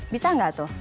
bisa gak tuh